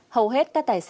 hầu hết các tài xế xe khách